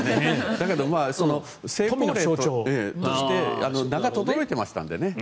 だけど、富の象徴として名がとどろいていましたのでね。